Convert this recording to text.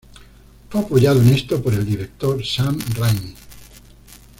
Fue apoyado en esto por el director Sam Raimi.